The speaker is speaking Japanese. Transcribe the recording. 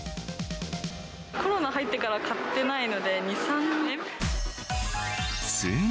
コロナ入ってから買ってないので、２、３年。